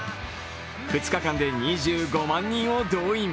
２日間で２５万人を動員。